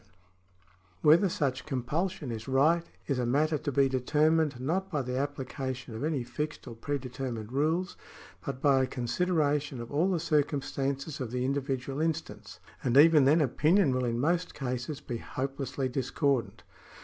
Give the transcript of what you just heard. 64 OTHER KINDS OF LAW [§24 Whether such compulsion is right is a matter to be deter mined not by the apphcation of any fixed or predetermined rules, but by a consideration of all the circumstances of the individual instance ; and even then opinion will in most cases be hopelessly discordant.